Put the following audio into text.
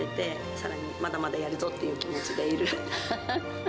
さらにまだまだやるぞっていう気持ちでいる。